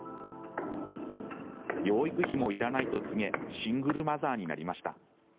養育費もいらないと告げシングルマザーになりました。